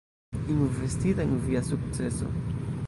Investita en via sukceso.